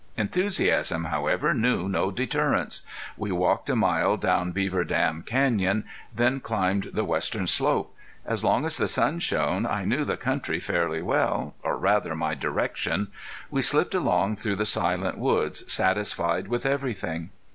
Enthusiasm, however, knew no deterrents. We walked a mile down Beaver Dam Canyon, then climbed the western slope. As long as the sun shone I knew the country fairly well, or rather my direction. We slipped along through the silent woods, satisfied with everything.